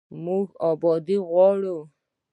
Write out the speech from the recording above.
موږ ابادي غواړو